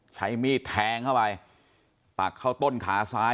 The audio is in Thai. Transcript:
ใช้มีดแทงเข้าไปปักเข้าต้นขาซ้าย